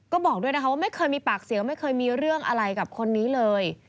ก็บอกด้วยนะคะว่าไม่เคยมีปากเสียงไม่เคยมีเรื่องอะไรกับคนนี้เลย